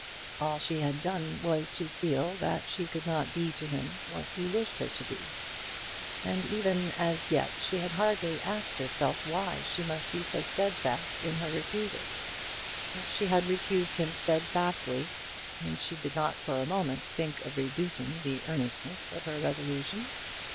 All she had done was to feel that she could not be to him what he wished her to be. And even as yet she had hardly asked herself why she must be so steadfast in her refusal. But she had refused him steadfastly, and she did not for a moment think of reducing the earnestness of her resolution.